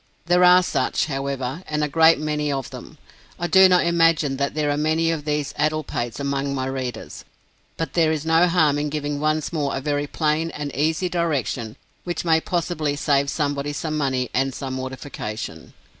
There are such, however, and a great many of them. I do not imagine that there are many of these addlepates among my readers; but there is no harm in giving once more a very plain and easy direction which may possibly save somebody some money and some mortification.